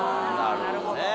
なるほどね。